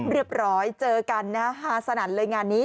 เรียบร้อยเจอกันนะฮะฮาสนั่นเลยงานนี้